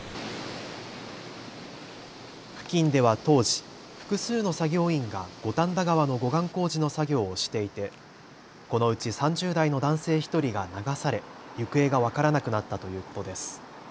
付近では当時、複数の作業員が五反田川の護岸工事の作業をしていてこのうち３０代の男性１人が流され、行方が分からなくなったということです。